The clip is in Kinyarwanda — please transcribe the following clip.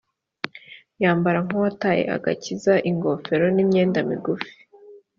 yambara nk’uwataye agakiza ingofero n’imyenda migufi